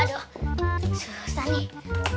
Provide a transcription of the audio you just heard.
aduh susah nih